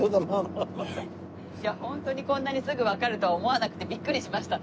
ホントにこんなにすぐわかるとは思わなくてビックリしました。